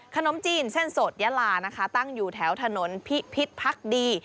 ขนมจีนเส้นสดยาลานะคะตั้งอยู่แถวถนนพิพิษพักดี